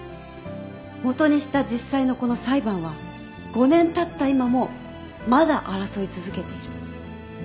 もとにした実際のこの裁判は５年たった今もまだ争い続けている。